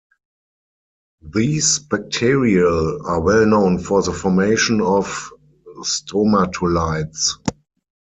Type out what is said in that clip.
These bacterial are well known for the formation of stromatolites.